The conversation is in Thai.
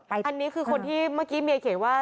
อันนี้คือคนที่เมื่อกี้เมียเขียนว่า